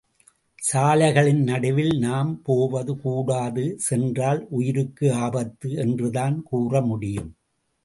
சாலைகளின் நடுவில் நாம் போவது கூடாது சென்றால் உயிருக்கு ஆபத்து என்றுதான் கூறமுடியும்.